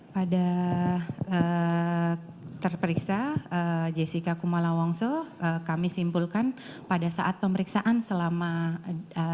pada terperiksa jessica kumala wongso kami simpulkan pada saat pemeriksaan selama persidangan